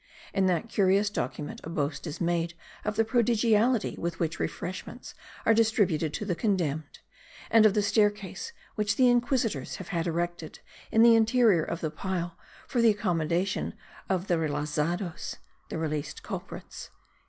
In that curious document a boast is made of the prodigality with which refreshments are distributed to the condemned, and of the staircase which the inquisitors have had erected in the interior of the pile for the accommodation of the relazados (the relapsed culprits.))